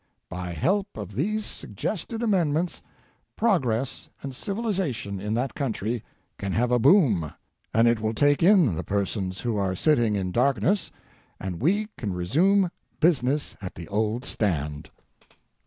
By help of these suggested amendments, Progress and Civiliza tion in that country can have a boom, and it will take in the Persons who are Sitting in Darkness, and we can resume Business at the old stand.